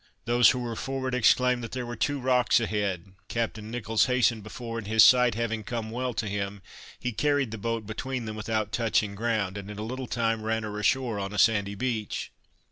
Those who were forward, exclaimed that there were two rocks ahead, Captain Nicholls hastened before, and his sight having come well to him, he carried the boat between them without touching ground, and in a little time ran her ashore on a sandy beach.